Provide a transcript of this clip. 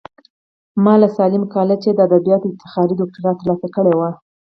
ما له ساليم کالجه د ادبياتو افتخاري دوکتورا ترلاسه کړې وه.